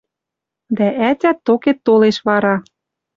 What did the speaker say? Дӓ ӓтят токет толеш вара